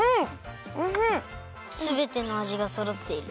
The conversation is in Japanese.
すべてのあじがそろっている。